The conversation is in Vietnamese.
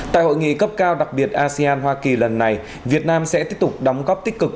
tại hội nghị cấp cao đặc biệt asean hoa kỳ lần này việt nam sẽ tiếp tục đóng góp tích cực